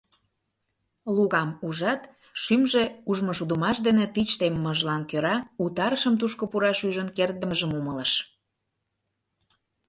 Лукам ужат, шӱмжӧ ужмышудымаш дене тич теммыжлан кӧра Утарышым тушко пураш ӱжын кертдымыжым умылыш.